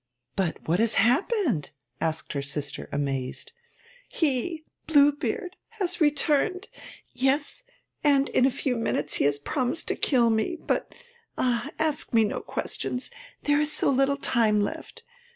'But what has happened? 'asked her sister, amazed. 'He Blue Beard has returned.... Yes, and in a few minutes he has promised to kill me. But ah! ask me no questions there is so little time left.